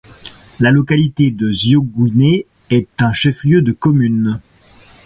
La localité de Ziogouiné est un chef-lieu de commune.